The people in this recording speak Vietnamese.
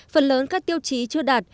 phần lớn các tiêu chí chưa đạt